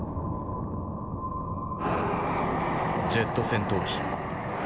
ジェット戦闘機。